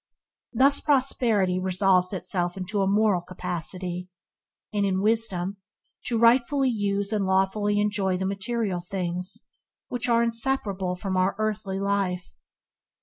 Thus prosperity resolves itself into a moral capacity, and in the wisdom to rightfully use and lawfully enjoy the material things which are inseparable from our earthly life.